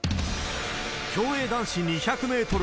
競泳男子２００メートル